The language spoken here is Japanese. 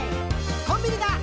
「コンビニだ！